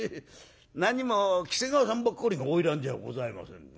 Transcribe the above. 何も喜瀬川さんばっかりが花魁じゃございませんでね。